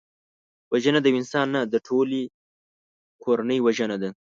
وژنه د یو انسان نه، د ټولي کورنۍ وژنه ده